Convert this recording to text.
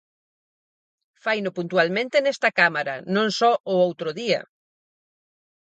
Faino puntualmente nesta Cámara, non só o outro día.